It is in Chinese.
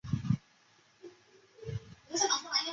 重点做好经营场所和游客出行安全防范工作